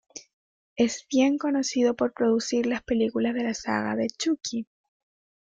Es bien conocido por producir las películas de la saga de Chucky.